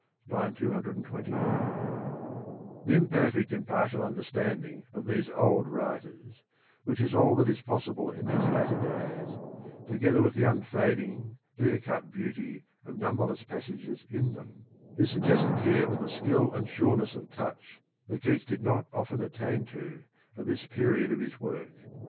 (II. 221) The imperfect and partial understanding of these old writers, which is all that is possible in these latter days, together with the unfading, clear cut beauty of number less passages in them, is suggested here with a skill and sureness of touch that Keats did not often attain to at this period of his work.